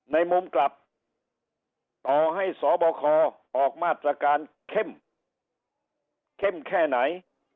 ในมุมกลับต่อให้สบคออกมาตรการเข้มเข้มแค่ไหน